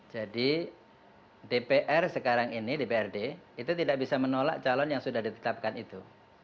jadi dpr sekarang ini dprd itu tidak bisa menolak calon yang sudah ditetapkan itu